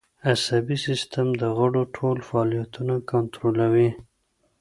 عصبي سیستم د غړو ټول فعالیتونه کنترولوي